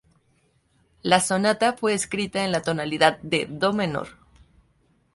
La sonata fue escrita en la tonalidad de do menor.